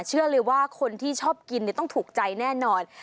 เชื่อเลยว่าคนที่ชอบกินต้องถูกใจแน่นอน